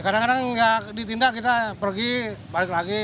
kadang kadang ya ditindak kita pergi balik lagi